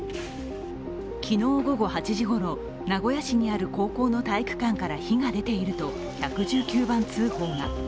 昨日午後８時ごろ、名古屋市にある高校の体育館から火が出ていると１１９番通報が。